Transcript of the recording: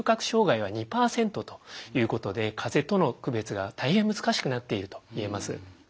障害は２％ということで風邪との区別が大変難しくなっていると言えます。